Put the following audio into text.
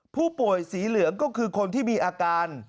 ผู้ป่วยสีเหลืองก็คือคนที่มีอาการ